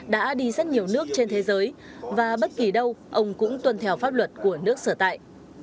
đã đi rất nhiều nước trên thế giới và bất kỳ đâu ông cũng tuân theo pháp luật của nước sở tại